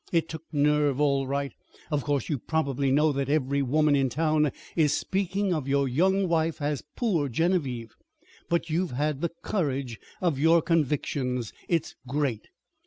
It took nerve, all right! Of course you probably know that every woman in town is speaking of your young wife as 'poor Genevieve,' but you've had the courage of your convictions. It's great!"